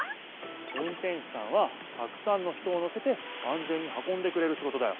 運転手さんはたくさんの人をのせてあんぜんにはこんでくれるシゴトだよ。